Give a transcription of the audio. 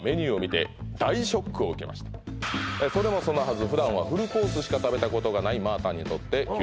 それもそのはず